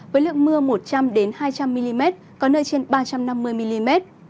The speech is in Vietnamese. với lượng mưa một trăm linh hai trăm linh mm có nơi trên ba trăm năm mươi mm